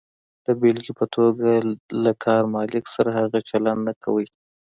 د بېلګې په توګه، له کار مالک سره هغه چلند نه کوئ.